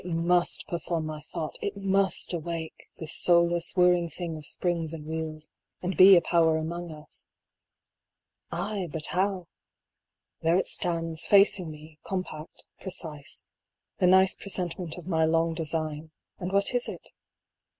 AN INVENTOR, 119 It must perform my thought, it must awake, this soulless whirring thing of springs and wheels, and be a power among us. Aye, but how? There it stands facing me, compact, precise, the nice presentment of my long design, and what is it?